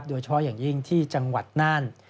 โดยเฉพาะอย่างยิ่งที่จังหวัดน่าน